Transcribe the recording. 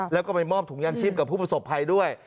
แล้วก็ไปมอบถุงยางชีพกับผู้ประสบภัยด้วย